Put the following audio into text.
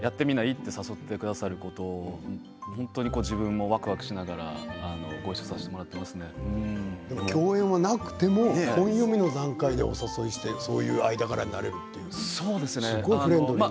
って誘ってくださること本当に自分もわくわくしながら共演がなくても本読みの段階でお誘いしてそういう間柄になるってフレンドリーな。